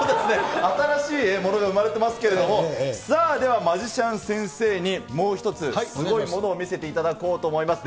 新しいものが生まれてますけれども、さあ、ではマジシャン先生にもう一つ、すごいものを見せていただこうと思います。